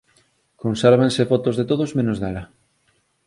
Consérvanse fotos de todos menos dela